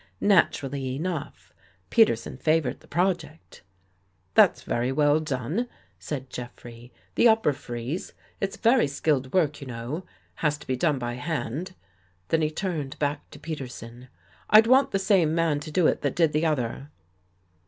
Naturally enough, Peterson favored the project. "That's, very well done," said Jeffrey, "— the 20 THE FIRST COVERT upper frieze. It's very skilled work, you know. Has to be done by hand." Then he turned back to Peterson. " I'd want the same man to do it that did the other."